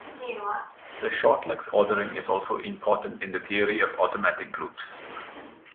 The shortlex ordering is also important in the theory of automatic groups.